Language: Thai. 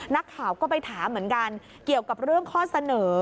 นักข่าวก็ไปถามเหมือนกันเกี่ยวกับเรื่องข้อเสนอ